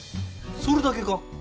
それだけか？